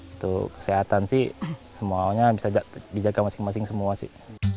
untuk kesehatan sih semuanya bisa dijaga masing masing semua sih